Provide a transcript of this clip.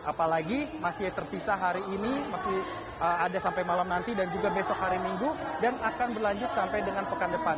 apalagi masih tersisa hari ini masih ada sampai malam nanti dan juga besok hari minggu dan akan berlanjut sampai dengan pekan depan